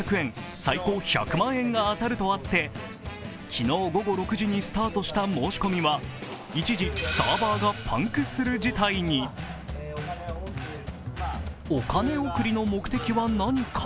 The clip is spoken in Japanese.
最高１００万円が当たるとあって、昨日午後６時にスタートした申し込みは一時、サーバーがパンクする事態にお金贈りの目的は何か？